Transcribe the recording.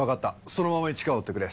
そのまま市川を追ってくれ。